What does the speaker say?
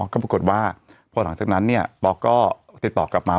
ก็ปรากฏว่าพอหลังจากนั้นป๊อกก็ติดต่อกลับมา